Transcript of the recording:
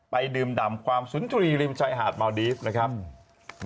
ไปดื่มดำความสุนทรีริมชายหาดเมาดีฟนะครับ